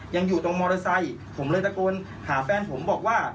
ยังอยู่ตรงมอเตอร์ไซค์ผมเลยตะโกนหาแฟนผมบอกว่า